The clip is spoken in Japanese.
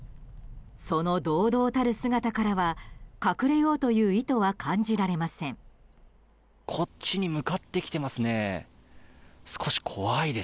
その堂々たる姿からは隠れようという意図は感じられません。